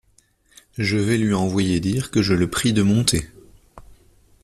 Je vais lui envoyer dire que je le prie de monter.